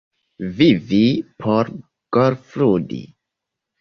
Vivi por golfludi?